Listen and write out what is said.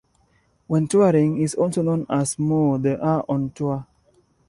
When touring, he is also known as 'Moore the Hurr on Tour'.